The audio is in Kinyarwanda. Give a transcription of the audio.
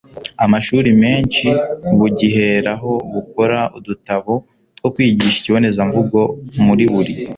amashuri menshi bugiheraho bukora udutabo two kwigisha ikibonezamvugo muri buri